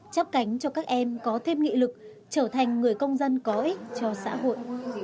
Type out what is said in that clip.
chấp cánh cho các em có thêm nghị lực trở thành người công dân có ích cho xã hội